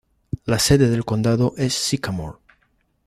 La sede del condado es Sycamore.